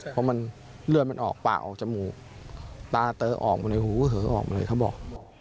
เพราะมันเลือดมันออกปากออกจมูกตาเตอออกมาในหูเหอออกมาเลยเขาบอก